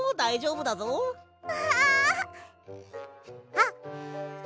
あっ。